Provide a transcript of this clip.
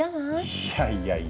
いやいやいや。